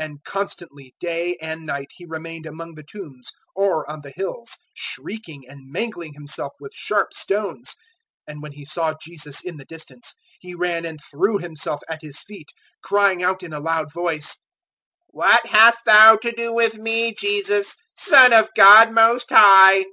005:005 And constantly, day and night, he remained among the tombs or on the hills, shrieking, and mangling himself with sharp stones. 005:006 And when he saw Jesus in the distance, he ran and threw himself at His feet, 005:007 crying out in a loud voice, "What hast Thou to do with me, Jesus, Son of God Most High?